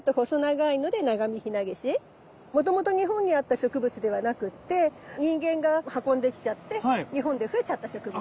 もともと日本にあった植物ではなくって人間が運んできちゃって日本で増えちゃった植物。